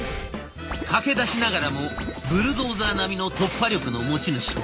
駆け出しながらもブルドーザー並みの突破力の持ち主。